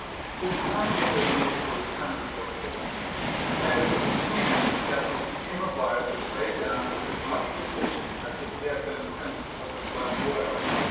His plans had been made for return before Christmas; and it would seem that his scheme of life was laid down with as much precision as if he had been a prince of the blood royal.